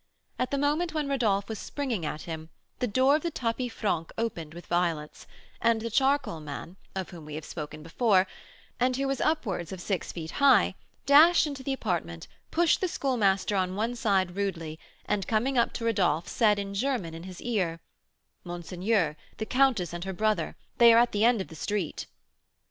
At the moment when Rodolph was springing at him, the door of the tapis franc opened with violence, and the charcoal man, of whom we have before spoken, and who was upwards of six feet high, dashed into the apartment, pushed the Schoolmaster on one side rudely, and coming up to Rodolph, said, in German, in his ear: "Monseigneur, the countess and her brother they are at the end of the street."